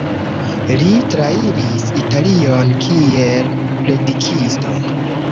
Li trairis Italion kiel predikisto.